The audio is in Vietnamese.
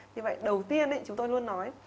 thế vậy đầu tiên chúng tôi luôn nói